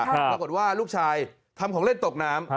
ปรากฏว่าลูกชายทำของเล่นตกน้ำ